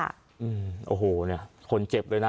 อืมโอ้โหเนี่ยคนเจ็บเลยนะ